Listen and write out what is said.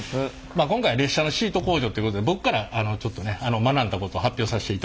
まあ今回列車のシート工場ということで僕からちょっとね学んだこと発表させていただきたいと思います。